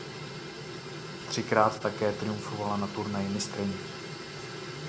Třikrát také triumfovala na Turnaji mistryň.